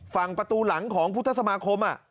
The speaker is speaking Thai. ฝั่งประตูหลังของพุทธสมาคม